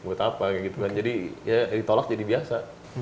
buat apa kayak gitu kan jadi ya ditolak jadi biasa